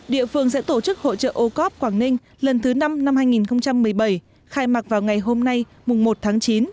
địa phương sẽ tổ chức hội trợ ocop quảng ninh lần thứ năm năm hai nghìn một mươi bảy khai mạc vào ngày hôm nay mùng một tháng chín